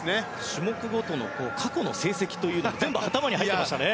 種目ごとの過去の成績も全部頭に入ってましたね。